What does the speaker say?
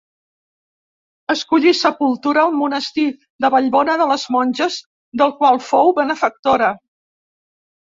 Escollí sepultura al monestir de Vallbona de les Monges, del qual fou benefactora.